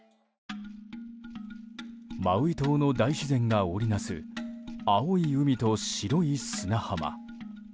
マウイ島の大自然が織りなす青い海と白い砂浜。